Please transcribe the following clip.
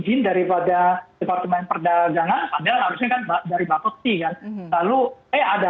ada izin daripada departemen perdagangan padahal harusnya kan dari bapak t